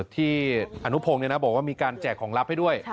ที่อนุพงศ์บอกว่ามีการแจกของลับให้ด้วย